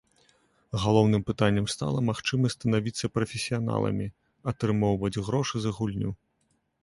Галоўным пытаннем стала магчымасць станавіцца прафесіяналамі, атрымоўваць грошы за гульню.